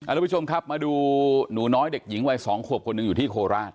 อ่าแล้วผู้ชมครับมาดูหนูน้อยเด็กหญิงวัยสองขวบคนนึงอยู่ที่โคลาส